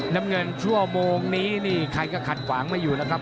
น้ำเงินชั่วโมงนี้นี่ใครก็ขัดขวางไม่อยู่แล้วครับ